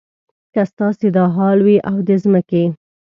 که ستاسې دا حال وي او د ځمکې.